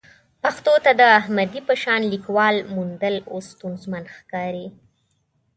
پښتو ته د احمدي په شان لیکوال موندل اوس ستونزمن ښکاري.